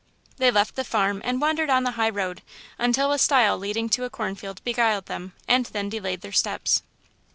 They left the farm and wandered on the high road until a stile leading to a cornfield beguiled and then delayed their steps.